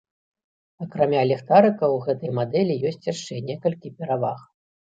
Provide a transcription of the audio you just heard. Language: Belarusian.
Акрамя ліхтарыка, у гэтай мадэлі ёсць яшчэ некалькі пераваг.